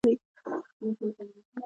توپک له استاد ژوند اخلي.